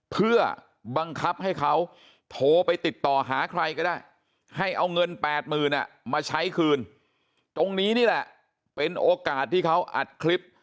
เพื่อบังคับให้เขาโทรไปติดต่อหาใครก็ได้ให้เอาเงิน๘๐๐๐มาใช้คืนตรงนี้นี่แหละเป็นโอกาสที่เขาอัดคลิป